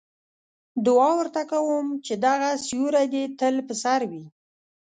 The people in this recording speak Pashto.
دعا ورته کوم چې دغه سیوری دې تل په سر وي.